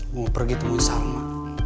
gua pergi temui salma